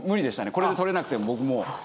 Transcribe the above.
これで取れなくても僕もう。